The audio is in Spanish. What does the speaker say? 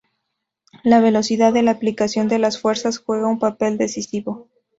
La velocidad de aplicación de las fuerzas juega un papel decisivo.